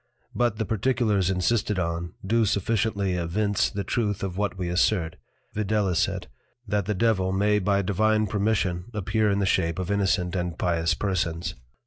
But the particulars insisted on, do sufficiently evince the Truth of what we assert, viz. That the Devil may by Divine Permission appear in the shape of Innocent and Pious Persons.